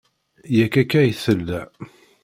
Yak akka i tella.